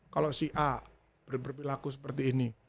kalau si a berperilaku seperti ini